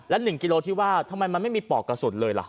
แล้วหนึ่งกิโลที่ว่าทำไมมันไม่มีปอกกระสุนเลยเหรอ